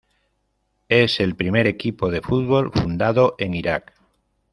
Es el primer equipo de fútbol fundado en Irak.